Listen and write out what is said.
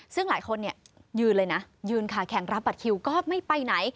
ซึ่งหลายคนเนี่ยยืนเลยนะยืนขาแข่งรับบัตรคิวก็ไม่ไปไหน